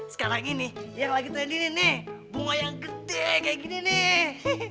sekarang ini yang lagi trendingin nih bunga yang gede kayak gini nih